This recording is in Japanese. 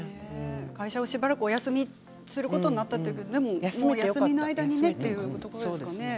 会社をしばらくお休みすることになったということでお休みの間にねということですね。